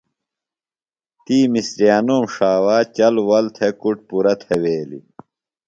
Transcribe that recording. تی مِسریانوم ݜاوا چل ول تھےۡ کُڈ پُرہ تِھویلیۡ۔